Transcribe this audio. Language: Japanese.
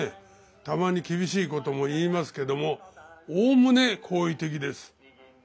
たまに厳しいことも言いますけどもおおむね好意的です。